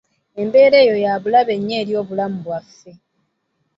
Embeera eyo ya bulabe nnyo eri obulamu bwaffe.